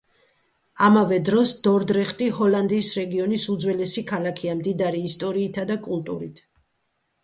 ამავე დროს, დორდრეხტი ჰოლანდიის რეგიონის უძველესი ქალაქია მდიდარი ისტორიითა და კულტურით.